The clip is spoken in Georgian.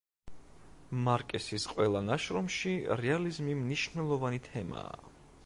მარკესის ყველა ნაშრომში რეალიზმი მნიშვნელოვანი თემაა.